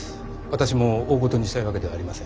私も大ごとにしたいわけではありません。